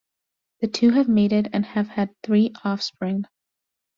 The two have mated and have had three offspring.